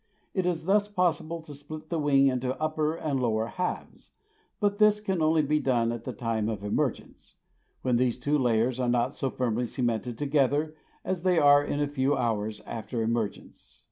It is thus possible to split the wing into upper and lower halves, but this can only be done at the time of emergence, when these two layers are not so firmly cemented together as they are in a few hours after emergence.